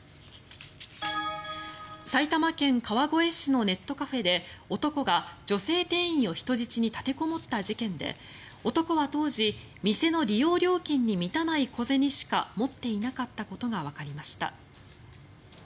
埼玉県川越市のネットカフェで男が女性店員を人質に立てこもった事件で男は当時店の利用料金に満たない小銭しか持っていなかったことがわかりました。